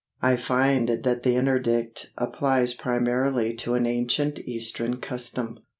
I find that the interdict applies primarily to an ancient Eastern custom.